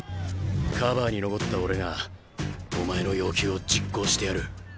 カバーに残った俺がお前の要求を実行してやる。